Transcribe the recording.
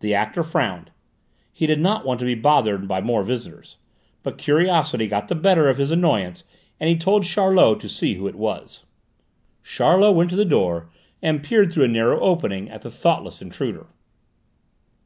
The actor frowned: he did not want to be bothered by more visitors. But curiosity got the better of his annoyance and he told Charlot to see who it was. Charlot went to the door and peered through a narrow opening at the thoughtless intruder.